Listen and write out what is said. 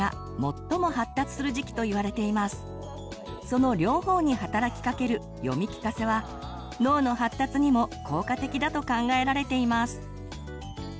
その両方に働きかける読み聞かせは脳の発達にも効果的だと考えられています。